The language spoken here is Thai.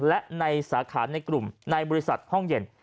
และในสาขาในกลุ่มในบริษัทห้องเย็น